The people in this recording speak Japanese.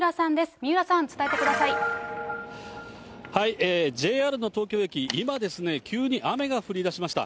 三浦さん、ＪＲの東京駅、今ですね、急に雨が降りだしました。